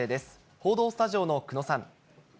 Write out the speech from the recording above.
報道スタジオの久野さん。